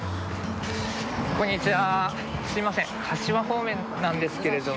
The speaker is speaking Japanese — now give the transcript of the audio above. こんにちは。